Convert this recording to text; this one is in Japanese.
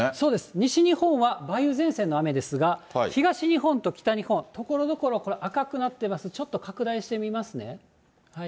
西日本は梅雨前線の雨ですが、東日本と北日本、ところどころ、これ、赤くなってます、ちょっと拡大してみますね。